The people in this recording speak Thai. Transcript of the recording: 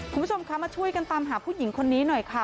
คุณผู้ชมคะมาช่วยกันตามหาผู้หญิงคนนี้หน่อยค่ะ